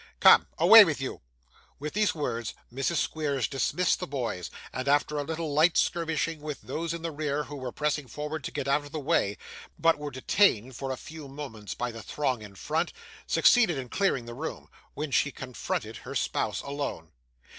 Come! Away with you!' With these words, Mrs. Squeers dismissed the boys, and after a little light skirmishing with those in the rear who were pressing forward to get out of the way, but were detained for a few moments by the throng in front, succeeded in clearing the room, when she confronted her spouse alone.